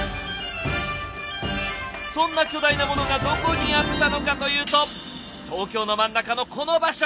そんな巨大なものがどこにあったのかというと東京の真ん中のこの場所。